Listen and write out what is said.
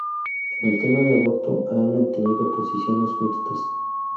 En el tema del aborto ha mantenido posiciones mixtas.